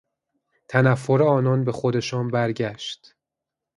تنفر آنان به خودشان برگشت.